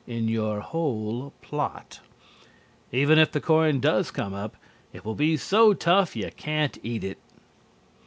in your whole plot. Even if the corn does come up, it will be so tough you can't eat it."